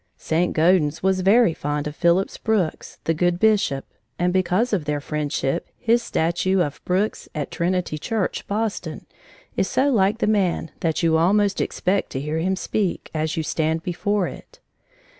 St. Gaudens was very fond of Phillips Brooks, the good Bishop, and because of their friendship, his statue of Brooks at Trinity Church, Boston, is so like the man that you almost expect to hear him speak, as you stand before it.